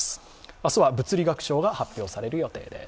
明日は物理学賞が発表される予定です。